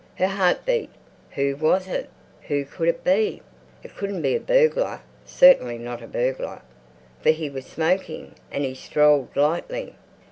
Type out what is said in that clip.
Her heart beat. Who was it? Who could it be? It couldn't be a burglar, certainly not a burglar, for he was smoking and he strolled lightly.